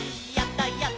「やった！